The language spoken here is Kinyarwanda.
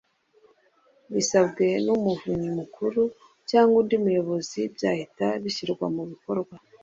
Bisabwe n Umuvunyi Mukuru cyangwa undi muyobozi byahita bishyirwa mu bikorwa